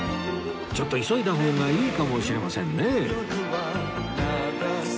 ちょっと急いだ方がいいかもしれませんね